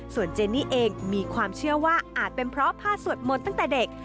ส่วนเจนี่เองมีความเชื่อว่าอาจเป็นเพราะผ้าสวดมนต์ตั้งแต่เด็ก